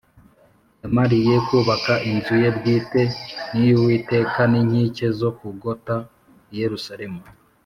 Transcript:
yamariye kubaka inzu ye bwite n’iy’Uwiteka, n’inkike zo kugota i Yerusalemu.